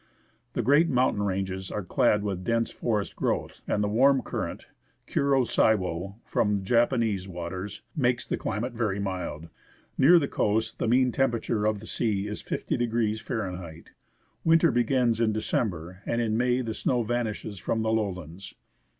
The great mountain ranges are clad with dense forest growth, and the warm current, Kuro Siwo, from Japanese waters, makes the climate very mild. Near the coast the mean temperature of the sea is 50° F. Winter begins in December, and in May the snow vanishes from the lowlands.